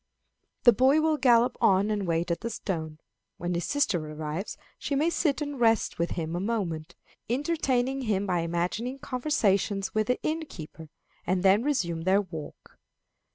The boy will gallop on and wait at the stone. When his sister arrives she may sit and rest with him a moment, entertaining him by imagining conversations with the inn keeper, and then resume their walk.